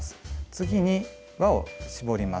次に輪を絞ります。